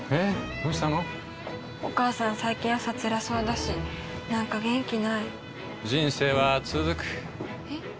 どうしたのお母さん最近朝つらそうだしなんか元気ない人生はつづくえ？